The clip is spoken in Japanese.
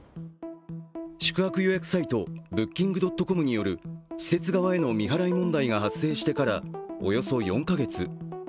宿泊予約サイト、ブッキングドットコムによる施設側への未払い問題が発生してから、およそ４か月。